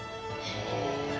へえ。